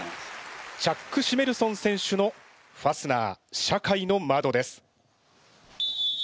チャック・シメルソン選手の「ファスナー社会の窓」です。